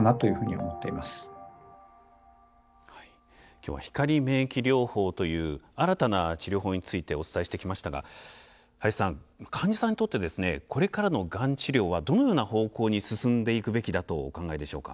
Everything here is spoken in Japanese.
今日は光免疫療法という新たな治療法についてお伝えしてきましたが林さん患者さんにとってですねこれからのがん治療はどのような方向に進んでいくべきだとお考えでしょうか？